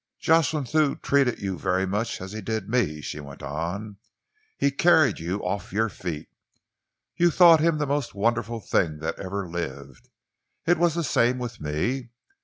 "Jocelyn Thew treated you very much as he did me," she went on. "He carried you off your feet. You thought him the most wonderful thing that ever lived. It was the same with me.